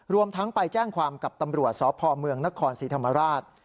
รวมทั้งไปแจ้งความกับตำรวจสพเมืองนครศรีธรรมราช